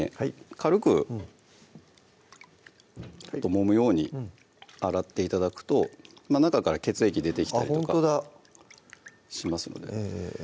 軽くもむように洗って頂くと中から血液出てきたりとかあっほんとだしますのでええええ